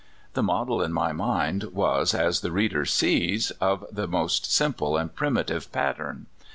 The model in my mind was, as the reader sees, of the most simple and primitive pattern.